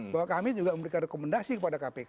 bahwa kami juga memberikan rekomendasi kepada kpk